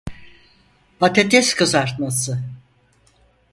Patates kızartması.